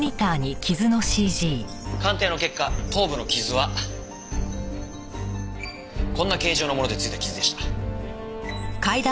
鑑定の結果頭部の傷はこんな形状のもので付いた傷でした。